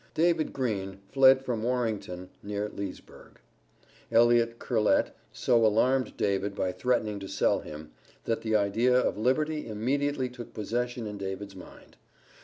DAVID GREEN, fled from Warrington, near Leesburg. Elliott Curlett so alarmed David by threatening to sell him, that the idea of liberty immediately took possession in David's mind.